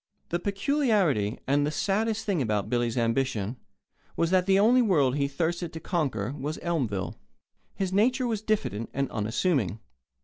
The peculiarity and the saddest thing about Billy's ambition was that the only world he thirsted to conquer was Elmville. His nature was diffident and unassuming.